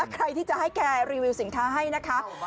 ใครที่จะให้แกรีวิวสินค้าให้นะคะ